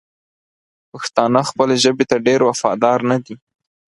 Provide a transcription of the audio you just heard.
پښتانه خپلې ژبې ته ډېر وفادار ندي!